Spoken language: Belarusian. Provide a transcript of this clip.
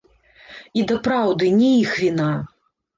І дапраўды, не іх віна.